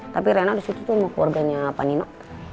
tapi rina disitu tuh sama keluarganya panino